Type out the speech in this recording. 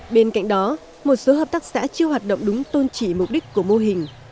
bên cạnh đó một số hợp tác xã chưa hoạt động đúng tôn trì mục đích của mô hình